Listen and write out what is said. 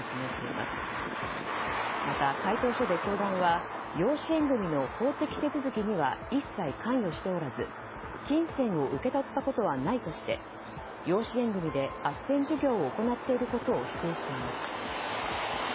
また、回答書で教団は養子縁組の法的手続きには一切関与しておらず金銭を受け取ったことはないとして養子縁組であっせん事業を行っていることを否定しています。